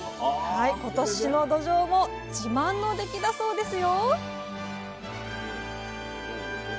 今年のどじょうも自慢の出来だそうですよ！